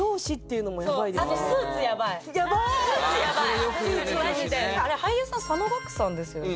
スーツの男子俳優さん佐野岳さんですよね？